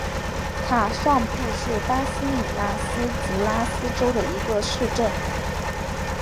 卡尚布是巴西米纳斯吉拉斯州的一个市镇。